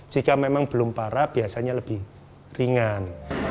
jika memang belum parah biasanya lebih ringan